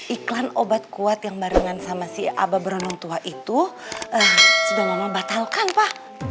iklan obat kuat yang barengan sama si abah berenang tua itu sudah mama batalkan pak